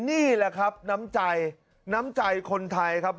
นี่แหละครับน้ำใจน้ำใจคนไทยครับ